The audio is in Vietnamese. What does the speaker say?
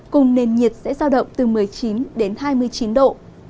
cùng nền nhiệt sẽ giao động từ một mươi chín đến hai mươi chín độ